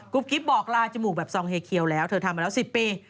กิ๊บบอกลาจมูกแบบซองเฮเคียวแล้วเธอทำมาแล้ว๑๐ปี